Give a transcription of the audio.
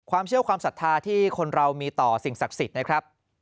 ความเชื่อความศรัทธาที่คนเรามีต่อสิ่งศักดิ์สิทธิ์นะครับ